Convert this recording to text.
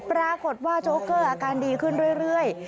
ปรากฏว่าโจ๊เกอร์อาการดีขึ้นเรื่อย